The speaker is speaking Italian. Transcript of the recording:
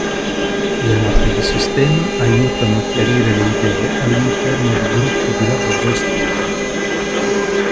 Le mappe di sistema aiutano a chiarire le idee all'interno di gruppi di lavoro estesi.